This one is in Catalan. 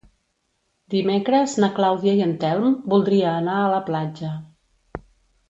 Dimecres na Clàudia i en Telm voldria anar a la platja.